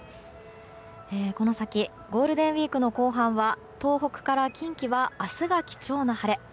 この先ゴールデンウィークの後半は東北から近畿は明日が貴重な晴れ。